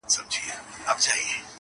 • ښوره زاره مځکه نه کوي ګلونه..